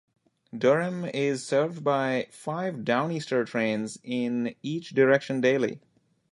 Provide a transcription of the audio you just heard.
Durham is served by five "Downeaster" trains in each direction daily.